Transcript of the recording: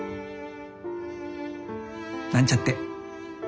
なんちゃって。